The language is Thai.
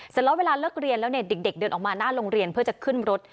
เสร็จแล้วเวลาเลิกเรียนแล้วเนี่ยเด็กเดินออกมาหน้าโรงเรียนเพื่อจะขึ้นรถ